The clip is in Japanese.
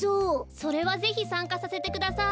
それはぜひさんかさせてください。